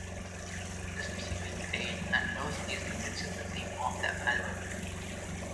The subsequent pain and loss is the principal theme of the album.